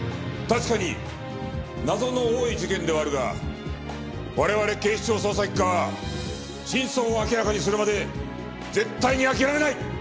確かに謎の多い事件ではあるが我々警視庁捜査一課は真相を明らかにするまで絶対に諦めない。